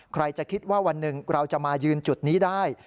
ใครจะคิดว่าวันหนึ่งเราจะมายืนจุดนี้ได้